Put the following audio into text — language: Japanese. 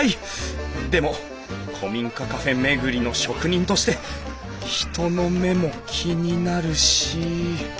でも古民家カフェ巡りの職人として人の目も気になるし。